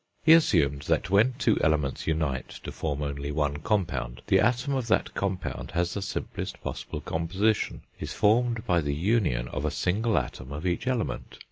He assumed that when two elements unite to form only one compound, the atom of that compound has the simplest possible composition, is formed by the union of a single atom of each element.